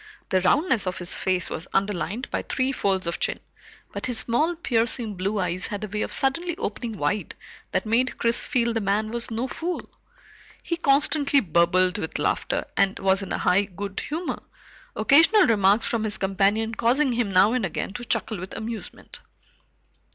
The roundness of his face was underlined by three folds of chin, but his small piercing blue eyes had a way of suddenly opening wide that made Chris feel the man was no fool. He constantly burbled with laughter and was in a high good humor, occasional remarks from his companion causing him now and again to chuckle with amusement.